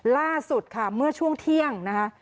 ล่าสุดค่ะเมื่อช่วงเที่ยงนะคะ